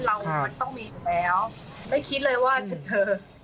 เรามันต้องมีอยู่แล้วไม่คิดเลยว่าเธอ